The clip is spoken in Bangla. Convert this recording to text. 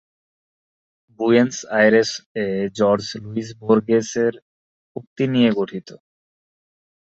বুয়েনস আইরেস-এ জর্জ লুইস বোর্গেস-এর উক্তি নিয়ে গঠিত।